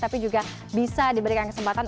tapi juga bisa diberikan kesempatan